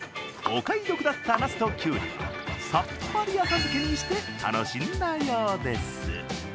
お買い得だったなすときゅうりはさっぱり浅漬けにして楽しんだようです。